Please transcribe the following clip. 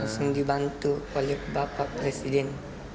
langsung dibantu oleh bapak presiden